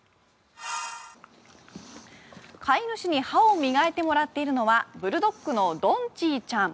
飼い主に歯を磨いてもらっているのはブルドッグのドンチーちゃん。